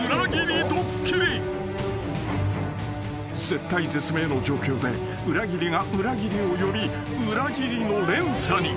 ［絶体絶命の状況で裏切りが裏切りを呼び裏切りの連鎖に］